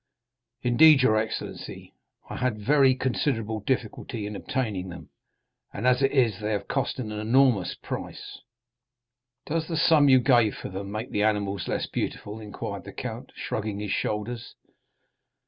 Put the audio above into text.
"Indeed, your excellency, I had very considerable difficulty in obtaining them, and, as it is, they have cost an enormous price." "Does the sum you gave for them make the animals less beautiful," inquired the count, shrugging his shoulders.